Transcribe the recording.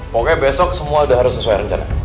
pokoknya besok semua udah harus sesuai rencana